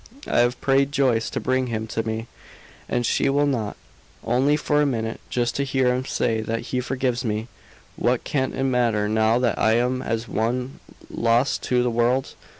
"I have prayed Joyce to bring him to me, and she will not. Only for a minute! Just to hear him say that he forgives me! What can it matter, now that I am as one lost to the world?